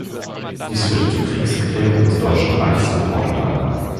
Dies führte zur Kriegserklärung des Deutschen Reichs an Portugal.